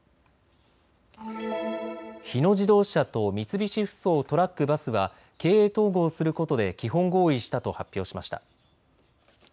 日野自動車と三菱ふそうトラック・バスは経営統合することで基本合意したと発表しました。